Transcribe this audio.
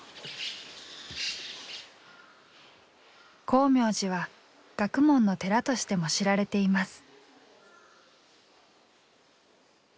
光明寺は学問の寺としても知られています。